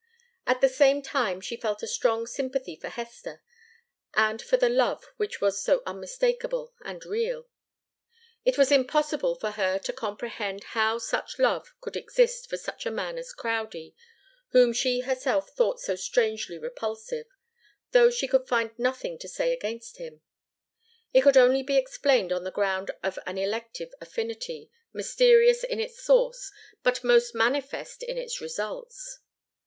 At the same time she felt a strong sympathy for Hester, and for the love which was so unmistakable and real. It was impossible for her to comprehend how such love could exist for such a man as Crowdie, whom she herself thought so strangely repulsive, though she could find nothing to say against him. It could only be explained on the ground of an elective affinity, mysterious in its source, but most manifest in its results.